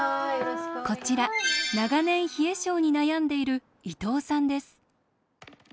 こちら長年冷え症に悩んでいる伊藤さんです。